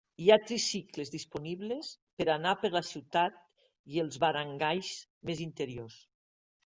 Hi ha tricicles disponibles per anar per la ciutat i els barangays més interiors.